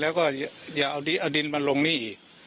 แล้วอย่าเอาดินมาลงหนี้